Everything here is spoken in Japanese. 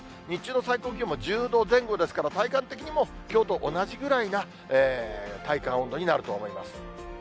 日中の最高気温も１０度前後ですから、体感的にもきょうと同じくらいな体感温度になると思います。